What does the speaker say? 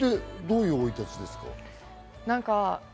どういう生い立ちですか？